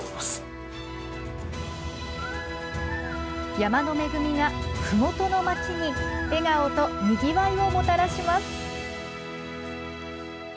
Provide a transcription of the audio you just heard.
山の恵みが、ふもとの町に笑顔とにぎわいをもたらします。